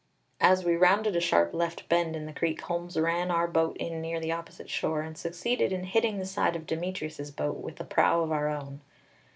As we rounded a sharp left bend in the creek, Holmes ran our boat in near the opposite shore and succeeded in hitting the side of Demetrius's boat with the prow of our own.